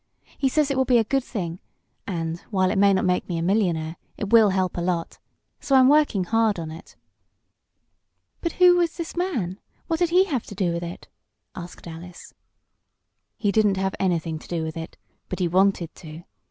He says it will be a good thing, and, while it may not make me a millionaire, it will help a lot. So I'm working hard on it." "But who was this man what did he have to do with it?" asked Alice. "He didn't have anything to do with it but he wanted to.